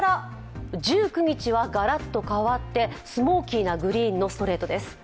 １９日はがらっと変わってスモーキーなグリーンのストレートです。